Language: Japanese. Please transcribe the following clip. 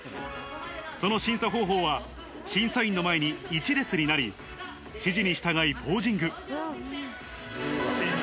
その審査方法は審査員の前に１列になり、指示に従いポージング。